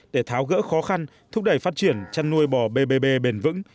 để tháo gỡ khó khăn thúc đẩy phát triển chăn nuôi bò bbbb bền vững